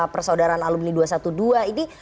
persaudaraan alumni dua ratus dua belas ini